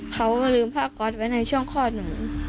เขาลืมผ้าก๊อตไปในช่วงข้อหนึ่ง